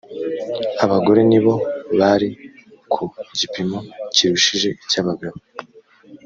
abagore nibo bari ku gipimo kirushije icy abagabo